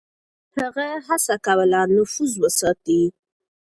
هغه هڅه کوله نفوذ وساتي.